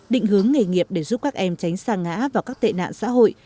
định hướng nghề nghiệp để giúp các em tránh xa ngã vào các tệ nạn xã hội